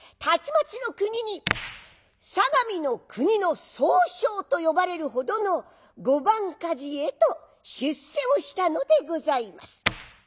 たちまちのくにに相模国の宗匠と呼ばれるほどの御番鍛冶へと出世をしたのでございます。